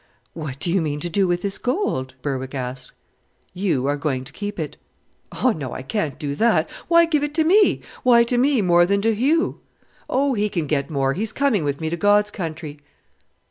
"What do you mean to do with this gold?" Berwick asked. "You are going to keep it." "Oh, no, I can't do that; why give it to me? Why to me more than to Hugh?" "Oh, he can get more. He's coming with me to God's country."